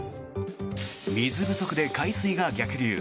水不足で海水が逆流。